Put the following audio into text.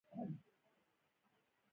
دا د سقوط نښه ده.